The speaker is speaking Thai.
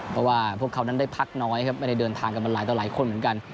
เพราะว่าพวกเขานั้นได้พักน้อยครับไม่ได้เดินทางกันมาหลายต่อหลายคนเหมือนกัน